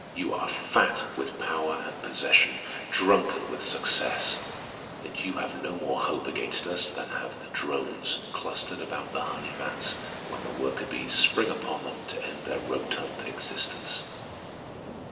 You are fat with power and possession, drunken with success; and you have no more hope against us than have the drones, clustered about the honey vats, when the worker bees spring upon them to end their rotund existence.